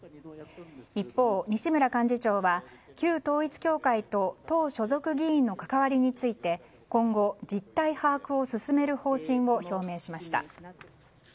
一方、西村幹事長は旧統一教会と党所属議員の関わりについて今後、実態把握を進める方針を表明しました。